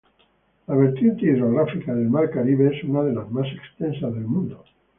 La vertiente hidrográfica del mar Caribe es una de las más extensas del mundo.